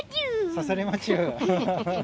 刺されまちゅー？